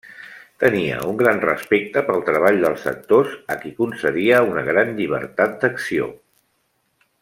Tenia un gran respecte pel treball dels actors, a qui concedia una gran llibertat d'acció.